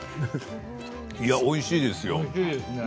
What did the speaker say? おいしいですよ